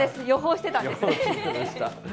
予報してたんですね。